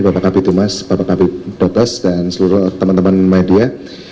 bapak kapitul mas bapak kapitul dutas dan seluruh teman teman media